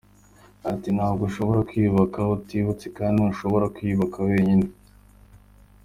Yagize ati “Ntabwo ushobora kwiyubaka utibutse kandi ntushobora kwiyubaka wenyine.